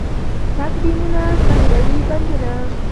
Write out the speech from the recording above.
چک ډیمونه، ذخیروي بندونه.